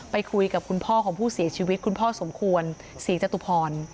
ไปคุยกับคุณพ่อของผู้เสียชีวิตคุณพ่อสมควรศรีจตุพร